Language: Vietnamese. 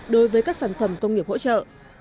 đối với các sản phẩm công nghiệp hỗ trợ